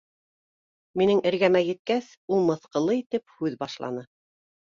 Минең эргәмә еткәс, ул мыҫҡыллы итеп һүҙ башланы: